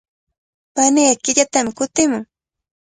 Paniiqa killatami kutimun.